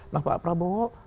nah pak prabowo